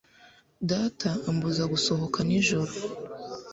Data ambuza gusohoka nijoro.